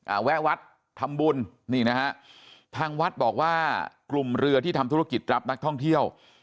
แวะวัดทำบุญนี่นะฮะทางวัดบอกว่ากลุ่มเรือที่ทำธุรกิจรับนักท่องเที่ยว